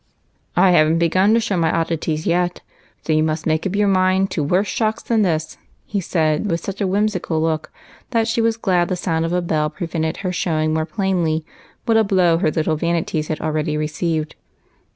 " I have n't begun to show my oddities yet, so you must make up your mind to worse shocks than this," he said, with such a whimsical look that she was glad the sound of a bell prevented her showing more plainly what a blow her little vanities had already received.